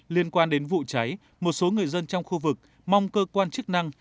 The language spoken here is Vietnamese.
liên quan đến vụ cháy một số người dân trong khu vực mong cơ quan chức năng